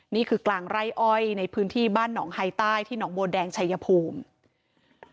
นี่คือกลางไร่อ้อยในพื้นที่บ้านหนองไฮใต้ที่หนองบัวแดงชายภูมิ